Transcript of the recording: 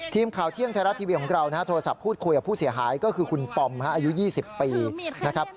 ทีมข่าวเที่ยงไทยรัฐทีวีของเราโทรศัพท์พูดคุยกับผู้เสียหายก็คือคุณปอมอายุ๒๐ปีนะครับ